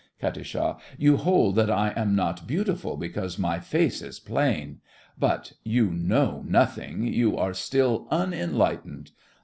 KAT. You hold that I am not beautiful because my face is plain. But you know nothing; you are still unenlightened.